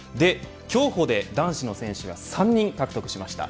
競歩で男子の選手が３人獲得しました。